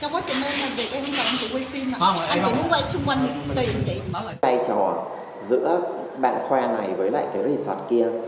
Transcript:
vai trò giữa bạn khoa này với lại cái resort kia